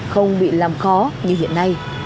không bị làm khó như hiện nay